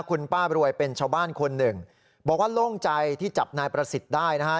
คุณป้าบรวยเป็นชาวบ้านคนหนึ่งบอกว่าโล่งใจที่จับนายประสิทธิ์ได้นะฮะ